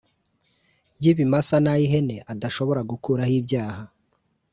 y ibimasa n ay ihene adashobora gukuraho ibyaha